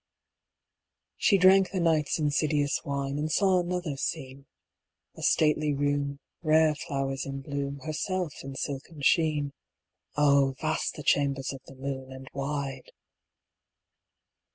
She drank the night's insidious wine, And saw another scene: A stately room rare flowers in bloom, Herself in silken sheen. (Oh! vast the chambers of the moon, and wide.)